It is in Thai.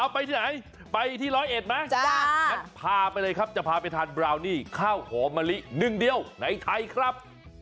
ไปที่ไหนไปที่ร้อยเอ็ดไหมงั้นพาไปเลยครับจะพาไปทานบราวนี่ข้าวหอมมะลิหนึ่งเดียวในไทยครับ